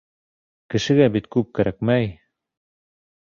Кешегә бит күп кәрәкмәй.